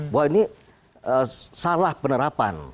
bahwa ini salah penerapan